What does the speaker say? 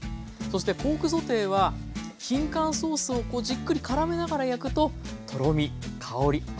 そしてポークソテーはきんかんソースをじっくりからめながら焼くととろみ香り